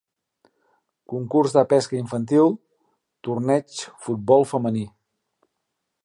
Concurs de pesca infantil, torneig futbol femení.